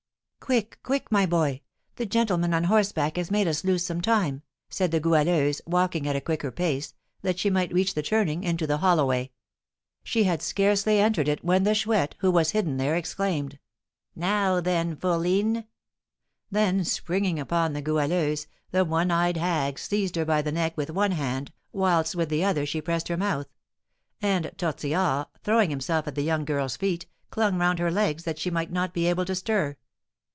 "Quick, quick, my boy! The gentleman on horseback has made us lose some time," said the Goualeuse, walking at a quicker pace, that she might reach the turning into the hollow way. She had scarcely entered it when the Chouette, who was hidden there, exclaimed: "Now then, fourline!" Then springing upon the Goualeuse, the one eyed hag seized her by the neck with one hand, whilst with the other she pressed her mouth; and Tortillard, throwing himself at the young girl's feet, clung round her legs, that she might not be able to stir.